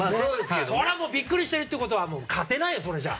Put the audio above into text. びっくりしてるってことは勝てないよ、それじゃ。